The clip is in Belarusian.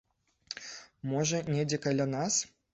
Можа, недзе каля нас?